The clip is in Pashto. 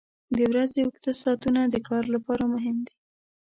• د ورځې اوږده ساعتونه د کار لپاره مهم دي.